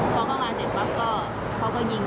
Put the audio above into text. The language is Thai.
พอเข้ามาเสร็จปั๊บก็เขาก็ยิง